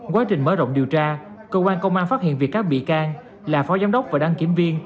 quá trình mở rộng điều tra cơ quan công an phát hiện việc các bị can là phó giám đốc và đăng kiểm viên